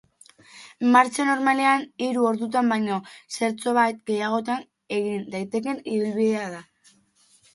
Martxa normalean, hiru ordutan baino zertxobait gehiagotan egin daitekeen ibilbidea da.